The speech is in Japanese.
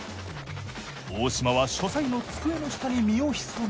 大島は書斎の机の下に身を潜め。